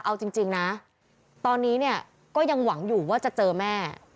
เอาจริงนะตอนนี้เนี่ยก็ยังหวังอยู่ว่าจะเจอแม่